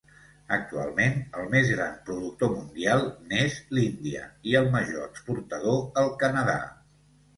Actualment el més gran productor mundial n'és l'Índia i el major exportador el Canadà.